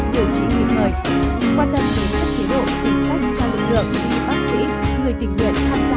điều trị nguyên mệnh quan tâm đến các chế độ chính sách cho lực lượng bác sĩ người tình nguyện tham gia chống dịch covid một mươi chín